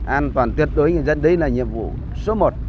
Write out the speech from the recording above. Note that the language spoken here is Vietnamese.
an toàn tuyệt đối cho người dân đấy là nhiệm vụ số một